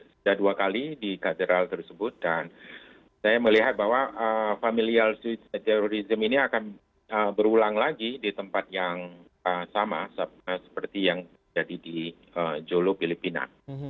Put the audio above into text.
sudah dua kali di katedral tersebut dan saya melihat bahwa familial terorisme ini akan berulang lagi di tempat yang sama seperti yang jadi di jolo filipina